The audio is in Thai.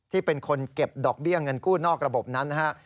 ที่เป็นคนเก็บดอกเบี้ยเงินกู้นอกระบบนั้นนะฮะ